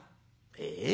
「ええ？